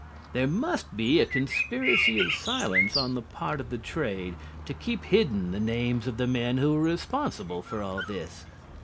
There must be a conspiracy of silence on the part of the trade to keep hidden the names of the men who are responsible for all this.